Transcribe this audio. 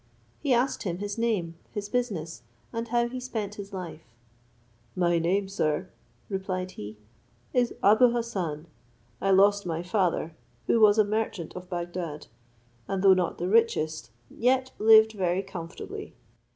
He asked him his name, his business, and how he spent his life. "My name, sir," replied he, "is Abou Hassan. I lost my father, who was a merchant of Bagdad, and though not the richest, yet lived very comfortably.